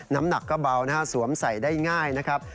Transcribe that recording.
น้ำหนักก็เบานะฮะสวมใส่ได้ง่ายนะครับ